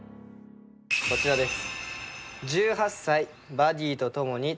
こちらです。